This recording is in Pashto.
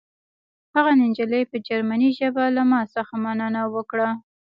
هغې نجلۍ په جرمني ژبه له ما څخه مننه وکړه